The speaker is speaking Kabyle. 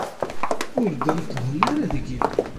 Ur d-neṭṭḍen ara deg-i.